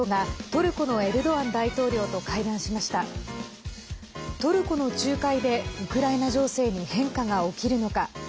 トルコの仲介でウクライナ情勢に変化が起きるのか。